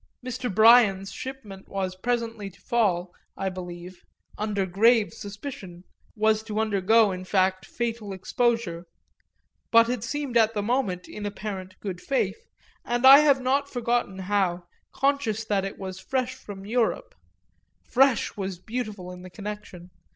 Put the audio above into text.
Mr. Bryan's shipment was presently to fall, I believe, under grave suspicion, was to undergo in fact fatal exposure; but it appealed at the moment in apparent good faith, and I have not forgotten how, conscious that it was fresh from Europe "fresh" was beautiful in the connection!